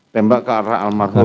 tembak ke arah almarhum